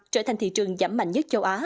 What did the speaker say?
trở thành thị trường giảm mạnh nhất châu á